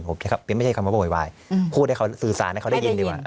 ผมแค่ไม่ใช่คำว่าโวยวายพูดให้เขาสื่อสารให้เขาได้ยินดีกว่า